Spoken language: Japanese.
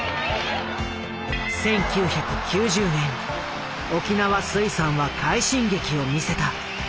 １９９０年沖縄水産は快進撃を見せた。